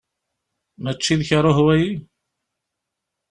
Mačči d karuh, wagi?